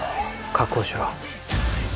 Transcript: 確保しろ。